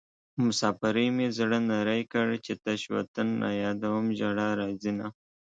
مسافرۍ مې زړه نری کړ چې تش وطن رايادوم ژړا راځينه